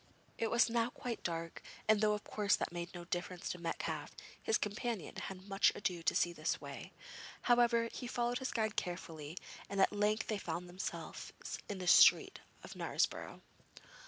It was now quite dark, and though of course that made no difference to Metcalfe, his companion had much ado to see his way. However, he followed his guide carefully and at length they found themselves in the streets of Knaresborough.